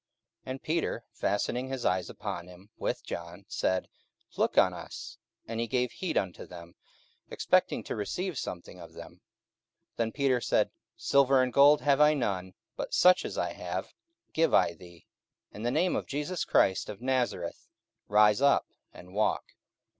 44:003:004 And Peter, fastening his eyes upon him with John, said, Look on us. 44:003:005 And he gave heed unto them, expecting to receive something of them. 44:003:006 Then Peter said, Silver and gold have I none; but such as I have give I thee: In the name of Jesus Christ of Nazareth rise up and walk.